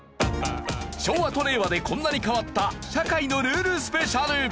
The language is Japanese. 昭和と令和でこんなに変わった社会のルールスペシャル。